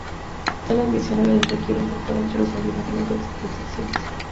Tal admisión a veces requiere un tratado entre los gobiernos de las dos jurisdicciones.